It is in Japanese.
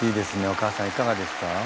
お母さんいかがですか？